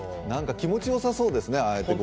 気持ちよさそうですね。